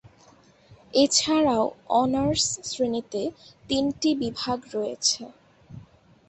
এছাড়াও অনার্স শ্রেণীতে তিনটি বিভাগ রয়েছে।